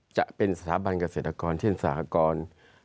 จะเป็นสถาบันเกษตรกรเช่นสหกร